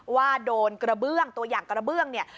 ว่าโดนกระเบื้องตัวอย่างกระเบื้องเนี่ย